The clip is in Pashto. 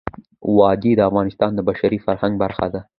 وادي د افغانستان د بشري فرهنګ برخه ده.